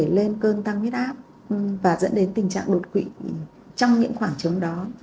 lên cơn tăng huyết áp và dẫn đến tình trạng đột quỵ trong những khoảng trống đó